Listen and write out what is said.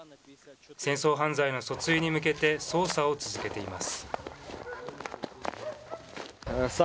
戦争犯罪の訴追に向けて、捜査を続けています。